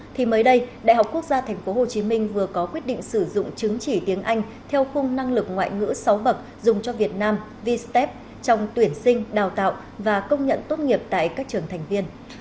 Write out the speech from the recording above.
thì mới đây đại học quốc gia tp hcm vừa có quyết định sử dụng chứng chỉ tiếng anh theo khung năng lực ngoại ngữ sáu bậc dùng cho việt nam v step trong tuyển sinh đào tạo và công nhận tốt nghiệp tại các trường thành viên